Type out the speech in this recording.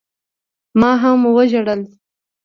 ما هم وجړل.